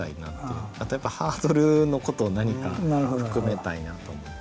あとやっぱハードルのことを何か含めたいなと思って。